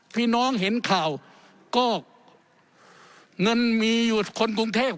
พี่น้องเห็นข่าวก็เงินมีอยู่คนกรุงเทพ